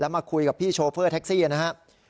มาคุยกับพี่โชเฟอร์แท็กซี่นะครับ